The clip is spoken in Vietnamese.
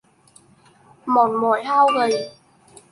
Mòn mỏi hao gầy